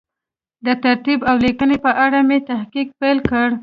د ترتیب او لیکنې په اړه مې تحقیق پیل کړ.